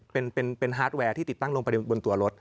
เป็นฮาร์ดแวร์ที่ติดตั้งลงไปบนตัวรถ